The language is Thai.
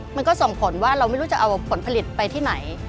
มันก็ส่งผลว่าเราไม่รู้จะเอาผลผลิตไปที่ไหน